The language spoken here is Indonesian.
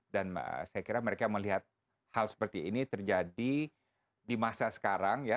dan saya kira mereka melihat hal seperti ini terjadi di masa sekarang ya